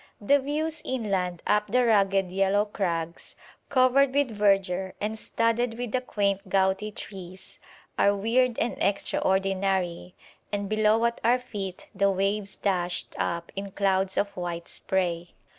The views inland up the rugged yellow crags, covered with verdure and studded with the quaint gouty trees, are weird and extraordinary, and below at our feet the waves dashed up in clouds of white spray.